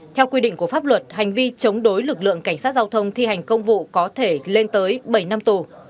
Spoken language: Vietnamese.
theo quy định của pháp luật hành vi chống đối lực lượng cảnh sát giao thông thi hành công vụ có thể lên tới bảy năm tù